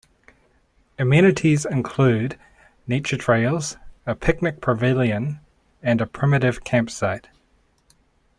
Amenities include nature trails, a picnic pavilion and a primitive campsite.